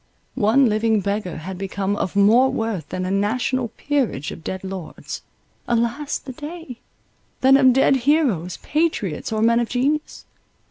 One living beggar had become of more worth than a national peerage of dead lords— alas the day!—than of dead heroes, patriots, or men of genius.